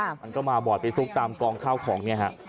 มันก็มาบ่อยไปซุกตามกองข้าวของเนี่ยฮะ